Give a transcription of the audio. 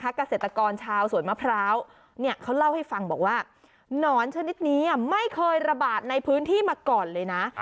เกษตรกรชาวสวนมะพร้าวเขาเล่าให้ฟังบอกว่าหนอนชนิดนี้ไม่เคยระบาดในพื้นที่มาก่อนเลยนะ